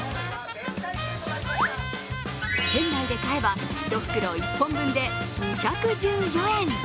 店内で買えば１袋１本分で２１４円。